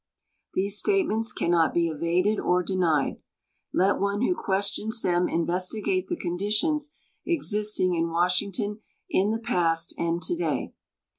These statements cannot be evaded or denied. Let one who questions them investigate the conditions existing in Washington in the past and to day.